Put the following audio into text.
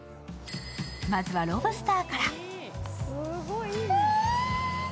まずは、ロブスターから。